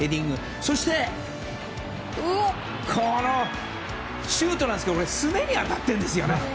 そして、このシュートなんですがすねに当たってるんですよね。